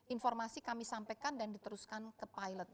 informasi kami sampaikan dan diteruskan ke pilot